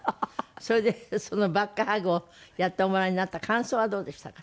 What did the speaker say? それでそのバックハグをやっておもらいになった感想はどうでしたか？